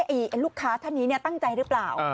ลูกค้าท่านนี้ตั้งใจหรือเปล่า